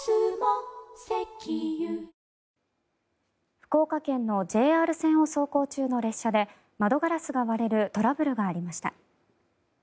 福岡県のＪＲ線を走行中の列車で窓ガラスが割れるトラブルがありました。